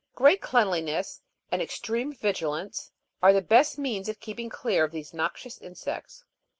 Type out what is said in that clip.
Great cleanliness and extreme vigilance are the best means of keeping clear of these noxious insects.